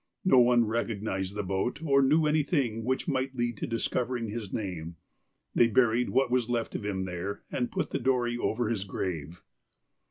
No one recognised the boat or knew anything which might lead to discovering his name. They buried what was left of him there, and put the dory over his grave.